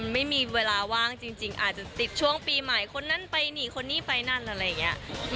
ไม่มีเวลาว่างจริงอาจจะติดช่วงปีใหม่คนนั้นไปนี่คนนี้ไปนั่นอะไรอย่างนี้